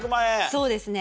そうですね。